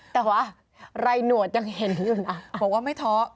แต่ว่าไรหนวดยังเห็นอยู่นะบอกว่าไม่ท้อ